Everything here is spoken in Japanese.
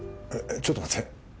ちょっと待って。